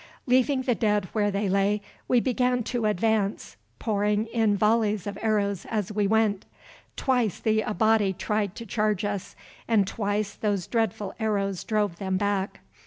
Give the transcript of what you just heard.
Leaving the dead where they lay, we began to advance, pouring in volleys of arrows as we went. Twice the Abati tried to charge us, and twice those dreadful arrows drove them back.